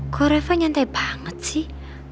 kok reva nyantai banget sih